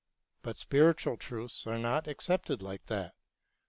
But spiritual truths are not accepted like that.